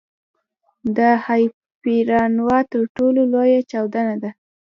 د هایپرنووا تر ټولو لویه چاودنه ده.